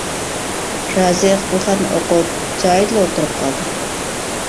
رازىق بۇ خەتنى ئوقۇپ جايىدىلا ئولتۇرۇپ قالدى.